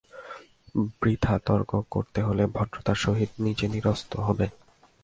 বৃথা তর্ক করতে এলে ভদ্রতার সহিত নিজে নিরস্ত হবে।